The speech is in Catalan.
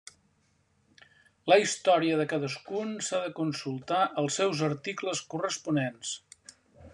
La història de cadascun s'ha de consultar als seus articles corresponents.